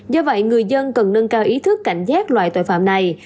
do vậy người dân cần nâng cao ý thức cảnh giác loại tội phạm này